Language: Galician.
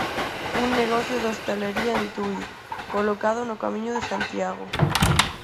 Un negocio de hostalería en Tui, colocado no Camiño de Santiago.